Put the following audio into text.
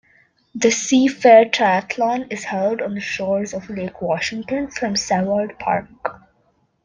The Seafair Triathlon is held on the shores of Lake Washington from Seward Park.